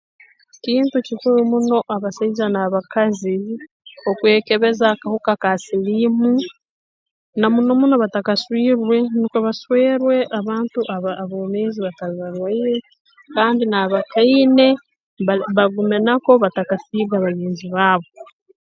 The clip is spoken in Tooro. Kintu kikuru muno abasaija n'abakazi okwekebeza akahuka ka siliimu na muno muno batakaswirwe nukwo baswerwe abantu aba aboomeezi batali barwaire kandi n'abakaine bali bagumenako batakasiiga bagenzi baabo